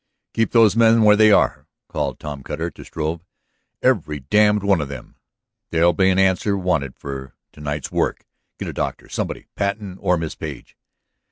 "Keep those men where they are," called Tom Cutter to Struve. "Every damned one of them; there'll be an answer wanted for to night's work. Get a doctor, somebody; Patten or Miss Page."